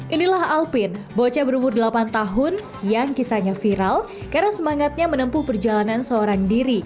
inilah alpin bocah berumur delapan tahun yang kisahnya viral karena semangatnya menempuh perjalanan seorang diri